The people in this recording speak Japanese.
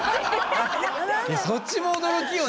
そっちも驚きよね。